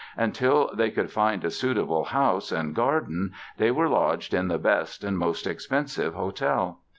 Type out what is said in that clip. Until they could find a suitable house and garden they were lodged in the best (and most expensive!) hotel.